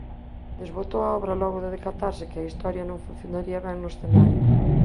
Desbotou a obra logo de decatarse que a historia non funcionaría ben no escenario.